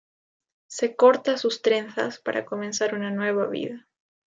Se corta sus trenzas para comenzar una nueva vida.